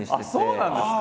そうなんですか？